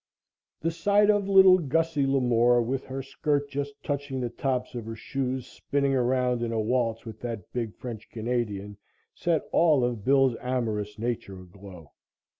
The sight of little Gussie Lamore, with her skirt just touching the tops of her shoes, spinning around in a waltz with that big French Canadian, set all of Bill's amorous nature aglow.